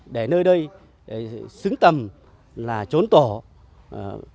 để nơi đây xứng tầm là trốn tổn